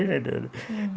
ini di rumah saya